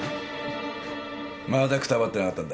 まだくたばってなかったんだ？